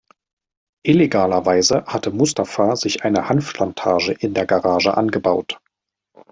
Illegalerweise hatte Mustafa sich eine Hanfplantage in der Garage angebaut.